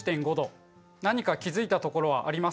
何か気付いたところはありますか？